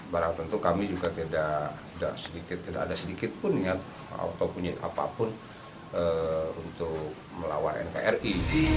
barang tentu kami juga tidak ada sedikitpun atau punya apapun untuk melawan nkri